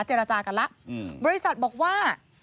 เจรจากันแล้วบริษัทบอกว่า